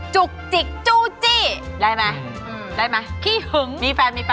จุกจิกจู่จี้ได้ไหมได้ไหม